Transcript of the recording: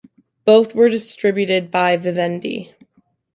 Both were distributed by Vivendi.